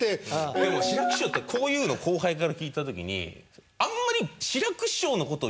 でも志らく師匠ってこういうの後輩から聞いた時にあんまり。